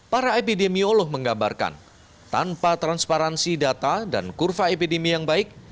para epidemiolog menggambarkan tanpa transparansi data dan kurva epidemi yang baik